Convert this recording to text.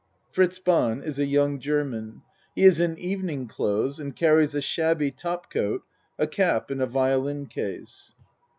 (Fritz Bahn is a young German. He is in even ing clothes and carries a shabby top coat, a cap and a violin case.)